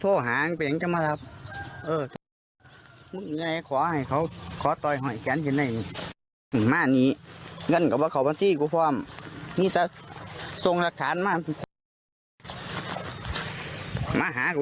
โอ้เนี่ยก็เลยอาจจะเป็นเหตุรึเปล่านะ